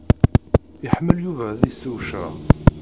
Iḥemmel Yuba ad isew ccrab.